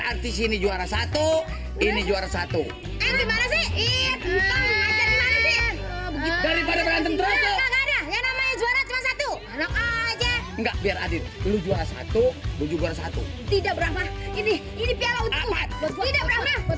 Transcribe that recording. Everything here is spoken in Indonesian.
artis ini juara satu ini juara satu satu tidak berapa ini tidak berapa